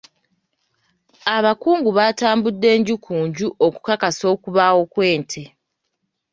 Abakungu baatambudde nju ku nju okukakasa okubaawo kw'ente.